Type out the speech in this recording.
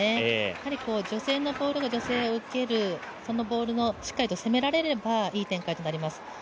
女性のボールが女性が受ける、そのボールをしっかり攻められればいい展開となります。